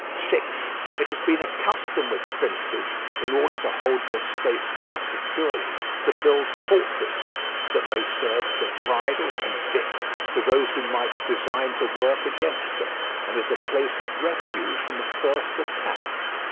6. It has been a custom with princes, in order to hold their states more securely, to build fortresses that may serve as a bridle and bit to those who might design to work against them, and as a place of refuge from a first attack.